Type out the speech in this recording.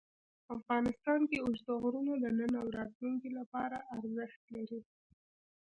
افغانستان کې اوږده غرونه د نن او راتلونکي لپاره ارزښت لري.